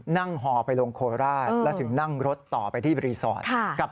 ฮอไปลงโคราชแล้วถึงนั่งรถต่อไปที่รีสอร์ท